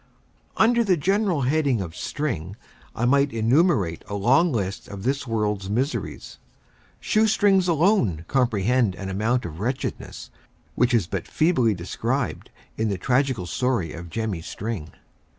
Under the general head of string, I might enumerate a long list of this world's miseries. Shoe strings alone comprehend an amount of wretchedness, which is but feebly described in the tragical story of Jemmy String.